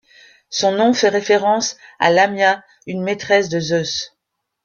Son nom fait référence à Lamia, une maîtresse de Zeus.